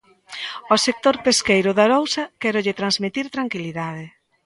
Ao sector pesqueiro de Arousa quérolle transmitir tranquilidade.